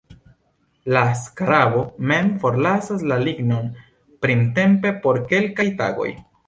La skarabo mem forlasas la lignon printempe por kelkaj tagoj.